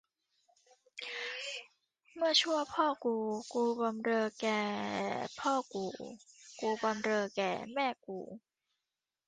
เมื่อชั่วพ่อกู กูบำเรอแก่พ่อกู กูบำเรอแก่แม่กู